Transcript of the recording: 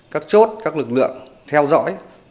các chốt các lực lượng theo dõi